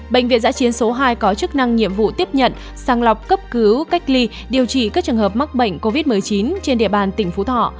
bệnh viện giã chiến số hai có chức năng nhiệm vụ tiếp nhận sang lọc cấp cứu cách ly điều trị các trường hợp mắc bệnh covid một mươi chín trên địa bàn tỉnh phú thọ